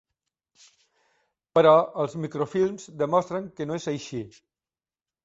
Però els microfilms demostren que no és així.